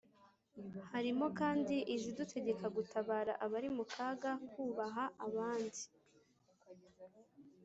harimo kandi izidutegeka gutabara abari mu kaga, kubaha abandi,